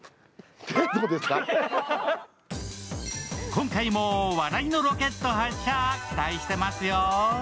今回も笑いのロケット発射期待してますよ。